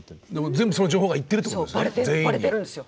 全部その情報がいってるってことですよね